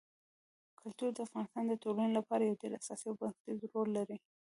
کلتور د افغانستان د ټولنې لپاره یو ډېر اساسي او بنسټيز رول لري.